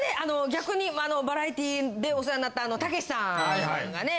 逆にバラエティーでお世話になったたけしさんがね